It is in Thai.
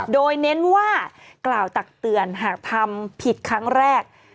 โดยเน้นว่ากล่าวตักเตือนหากทำผิดครั้งแรก